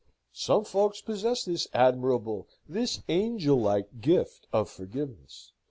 Some folks possess this admirable, this angellike gift of forgiveness.